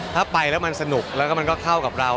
ถ้าไปแล้วมันสนุกแล้วก็มันก็เข้ากับเรา